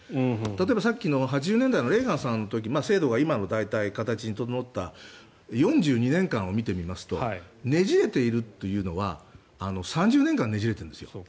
例えば、さっきの８０年代のレーガンの時制度が今の形に整った４２年間を見てみますとねじれているというのは３０年間ねじれてるんですよ。